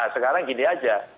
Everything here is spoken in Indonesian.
sekarang gini saja